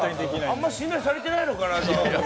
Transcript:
あんまり信頼されてないのかな。